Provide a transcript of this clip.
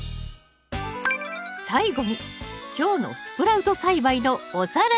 最後に今日のスプラウト栽培のおさらい。